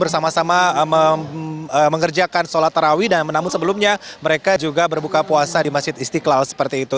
bersama sama mengerjakan sholat tarawih dan menamu sebelumnya mereka juga berbuka puasa di masjid istiqlal seperti itu